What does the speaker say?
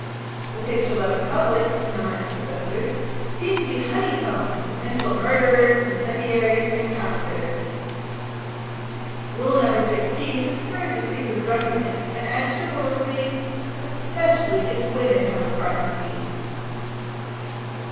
The picture loving public, in the minds of the censors, seems to be honeycombed with potential murderers, incendiaries, and counterfeiters. Rule No. 16 discourages scenes of drunkenness, and adds chivalrously: "Especially if women have a part in the scenes."